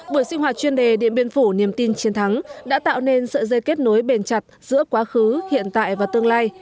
buổi sinh hoạt chuyên đề điện biên phủ niềm tin chiến thắng đã tạo nên sợi dây kết nối bền chặt giữa quá khứ hiện tại và tương lai